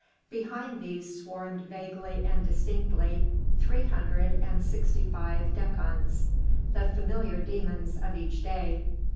Behind these swarmed vaguely and indistinctly three hundred and sixty five Decans, the familiar dæmons of each day.